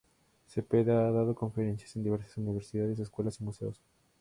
Zepeda ha dado conferencias en diversas universidades, escuelas y museos.